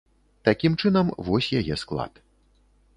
Такім чынам, вось яе склад.